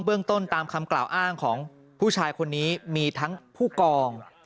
เรื่องต้นตามคำกล่าวอ้างของผู้ชายคนนี้มีทั้งผู้กอง